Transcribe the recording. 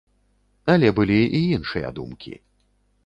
Але былі і іншыя думкі.